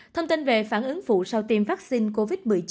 thông tin về phản ứng phụ sau tiêm vaccine covid một mươi chín